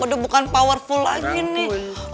udah bukan powerful lagi nih